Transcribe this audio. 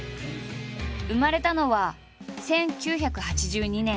生まれたのは１９８２年。